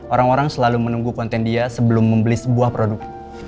orang orang selalu menunggu konten dia sebelum membeli sebuah produk